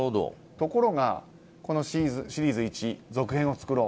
ところが、シリーズ１の続編を作ろう。